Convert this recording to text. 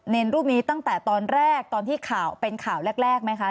รูปนี้ตั้งแต่ตอนแรกตอนที่ข่าวเป็นข่าวแรกไหมคะ